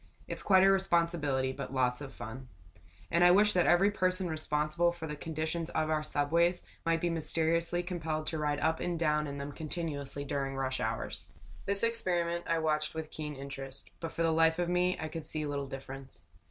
"It's quite a responsibility, but lots of fun." And I wished that every person responsible for the condition of our subways might be mysteriously compelled to ride up and down in them continuously during rush hours. This experiment I watched with keen interest, but for the life of me I could see little difference.